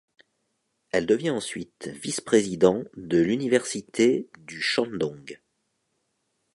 Elle devient ensuite vice-président de l'université du Shandong.